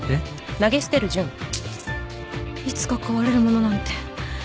いつか壊れるものなんて